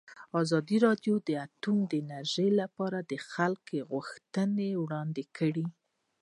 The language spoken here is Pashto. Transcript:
ازادي راډیو د اټومي انرژي لپاره د خلکو غوښتنې وړاندې کړي.